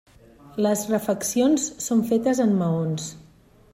Les refeccions són fetes en maons.